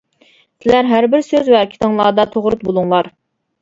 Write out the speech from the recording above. سىلەر ھەر بىر سۆز ۋە ھەرىكىتىڭلاردا توغرا بولۇڭلار.